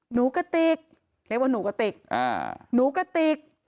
กระติกเรียกว่าหนูกระติกหนูกระติก